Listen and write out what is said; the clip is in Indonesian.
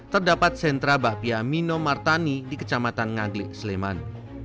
terdapat sentra bahpia mino martani di kecamatan ngaglik sleman